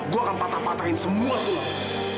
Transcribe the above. gue akan patah patahin semua tuhan